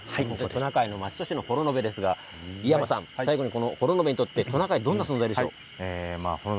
トナカイの町としての幌延ですが幌延にとってトナカイはどんな存在でしょうか。